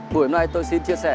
buổi hôm nay tôi xin chia sẻ